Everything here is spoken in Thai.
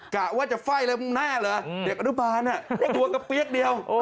กะว่าจะไฟ่แล้วมึงแน่เหรอเด็กอนุบาลได้ตัวกระเปี๊ยกเดียว